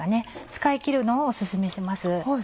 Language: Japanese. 使い切るのをお勧めします。